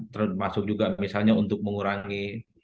termasuk juga misalnya untuk mengurangi